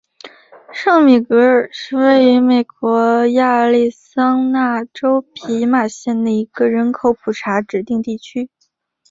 圣米格尔是位于美国亚利桑那州皮马县的一个人口普查指定地区。